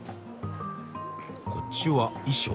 こっちは衣装？